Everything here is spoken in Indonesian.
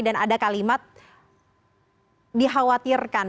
dan ada kalimat dikhawatirkan